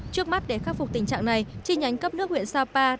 trước mắt để khắc phục tình trạng này chi nhánh cấp nước huyện sapa